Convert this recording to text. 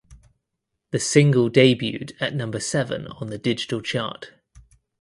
The single debuted at number seven on the Digital Chart.